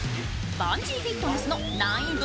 バンジーフィットネスの難易度